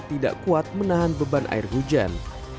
tidak kuat menahan beban air hujan